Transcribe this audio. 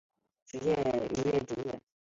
业余职业